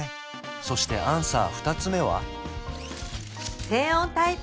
そしてアンサー２つ目は？